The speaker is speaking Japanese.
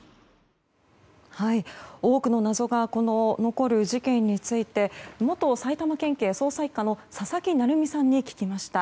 多くの謎が残るこの事件について元埼玉県警捜査１課の佐々木成三さんに聞きました。